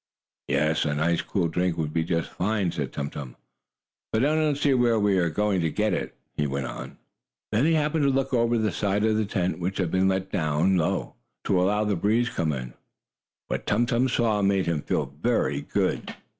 "Yes, a nice, cool drink would be just fine," said Tum Tum. "But I do not see where we are going to get it," he went on. Then he happened to look over the side of the tent, which had been let down low, to allow the breeze to come in. What Tum Tum saw made him feel very good.